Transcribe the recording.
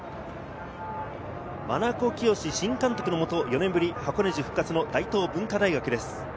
真名子圭新監督のもと、４年ぶりの箱根路復活の大東文化大学です。